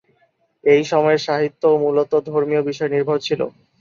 এই সময়ের সাহিত্য মূলত ধর্মীয় বিষয় নির্ভর ছিল।